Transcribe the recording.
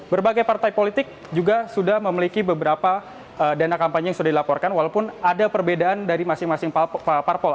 berbagai partai politik juga sudah memiliki beberapa dana kampanye yang sudah dilaporkan walaupun ada perbedaan dari masing masing parpol